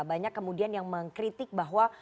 banyak kemudian yang mengkritik bahwa